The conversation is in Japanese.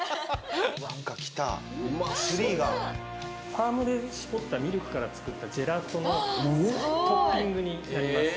ファームで搾ったミルクから作ったジェラートのトッピングになります。